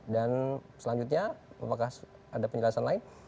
dan selanjutnya apakah ada penjelasan lain